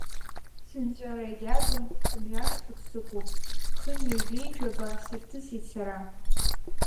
Зынҵәара егьагым мҩашлак сықәуп, хынҩежәеи жәаба сырҭысит сара.